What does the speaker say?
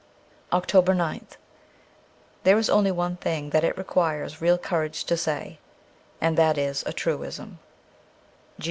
314 OCTOBER 9th THERE is only one thing that it requires real courage to say, and that is a truism.